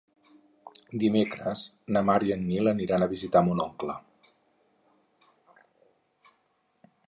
Dimecres na Mar i en Nil aniran a visitar mon oncle.